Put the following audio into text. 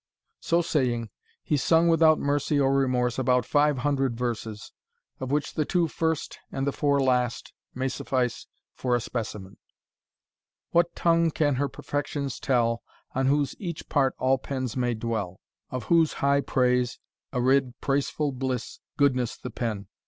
So saying, he sung without mercy or remorse about five hundred verses, of which the two first and the four last may suffice for a specimen "What tongue can her perfections tell, On whose each part all pens may dwell. Of whose high praise arid praiseful bliss, Goodness the pen.